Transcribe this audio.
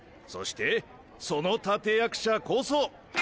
そしてその立役者こそ！